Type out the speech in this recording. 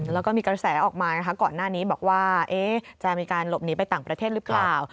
แล้วก็มีกระแสออกมานะคะก่อนหน้านี้บอกว่าจะมีการหลบหนีไปต่างประเทศหรือเปล่า